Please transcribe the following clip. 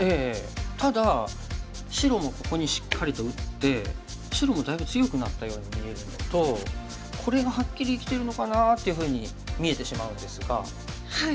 ただ白もここにしっかりと打って白もだいぶ強くなったように見えるのとこれがはっきり生きてるのかな？っていうふうに見えてしまうんですが。